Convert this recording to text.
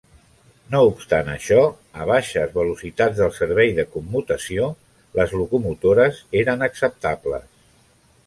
No obstant això, a baixes velocitats del servei de commutació, les locomotores eren acceptables.